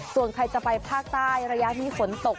ส่วนใครจะไปภาคใต้ระยะนี้ฝนตก